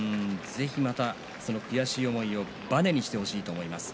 ぜひまたその悔しい思いをばねにしてほしいと思います。